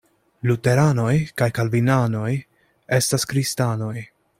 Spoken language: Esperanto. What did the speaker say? Luteranoj kaj Kalvinanoj estas kristanoj.